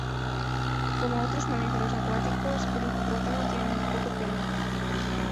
Como otros mamíferos acuáticos, el hipopótamo tiene muy poco pelo.